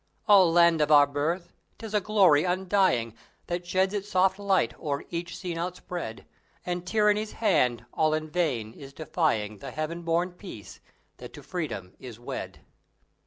O Land of our Birth! 'tis a glory undying That sheds its soft light over each scene outspread; And Tyranny's hand, all in vain, is defying The Heaven born Peace that to Freedom is wed!